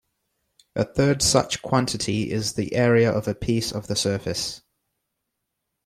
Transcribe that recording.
A third such quantity is the area of a piece of the surface.